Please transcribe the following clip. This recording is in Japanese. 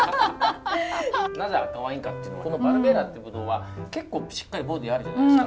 なぜ赤ワインかっていうのはこのバルベーラっていうブドウは結構しっかりボディーあるじゃないですか。